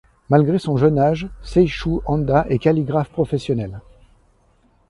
Malgré son jeune âge, Seishu Handa est calligraphe professionnel.